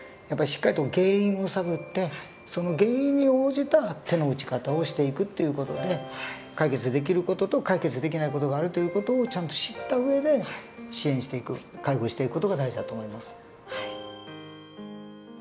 やっぱりしっかりと原因を探ってその原因に応じた手の打ち方をしていくっていう事で解決できる事と解決できない事があるという事をちゃんと知った上で支援していく介護していく事が大事だと思います。